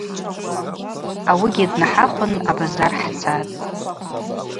Ауыгьи днахӏахвын абазар хӏцатӏ.